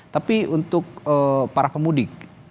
tapi untuk para pemudik